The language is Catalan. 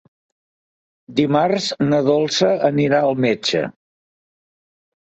Dimarts na Dolça anirà al metge.